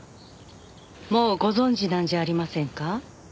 もうご存じなんじゃありませんか？